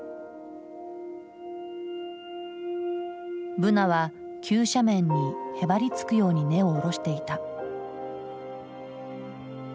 ブナは急斜面にへばりつくように根を下ろしていた。